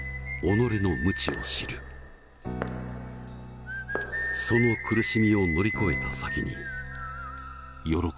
その苦しみを乗り越えた先に喜びはある。